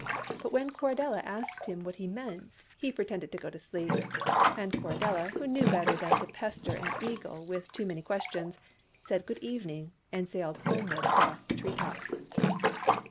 But when Corridella asked him what he meant, he pretended to go to sleep : and Corridella, who knew better than to pester an Eagle with too many questions, said good evening and sailed homeward across the tree tops.